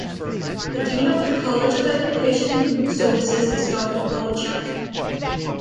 The Dean of the College of Education and Human Services is Doctor Paul Chapman.